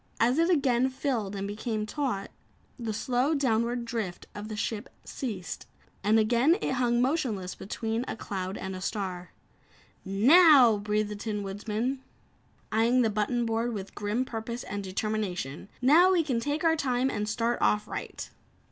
As it again filled and became taut, the slow downward drift of the ship ceased, and again it hung motionless between a cloud and a star. "Now!" breathed the Tin Woodman eyeing the button board with grim purpose and determination, "Now we can take our time and start off right."